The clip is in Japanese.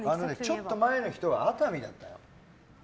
ちょっと前の人は熱海だったの。